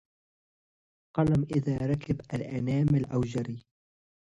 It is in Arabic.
قلم إذا ركب الأنامل أو جرى